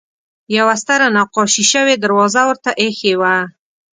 یوه ستره نقاشي شوې دروازه ورته اېښې وه.